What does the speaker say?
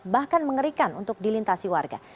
bahkan mengerikan untuk dilintasi warga